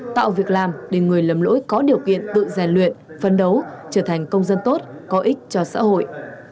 tạo việc làm để người lầm lỗi có điều kiện tự rèn luyện phân đấu trở thành công dân tốt có ích cho xã hội